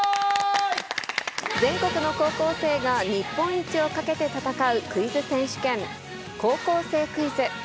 全国の高校生が日本一をかけて戦うクイズ選手権、高校生クイズ。